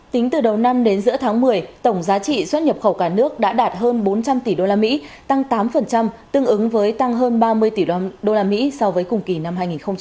tính từ đầu năm đến giữa tháng một mươi tổng giá trị xuất nhập khẩu cả nước đã đạt hơn bốn trăm linh tỷ usd tăng tám tương ứng với tăng hơn ba mươi tỷ usd so với cùng kỳ năm hai nghìn một mươi chín